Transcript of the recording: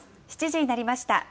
７時になりました。